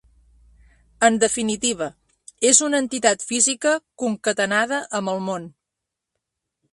En definitiva, és una entitat física concatenada amb el món.